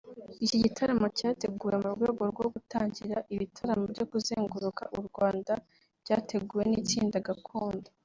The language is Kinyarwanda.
Iki gitaramo cyateguwe mu rwego rwo gutangira ibitaramo byo kuzenguruka u Rwanda byateguwe n’itsinda Gakondo